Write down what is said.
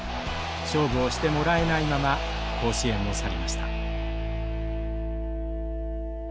勝負をしてもらえないまま甲子園を去りました。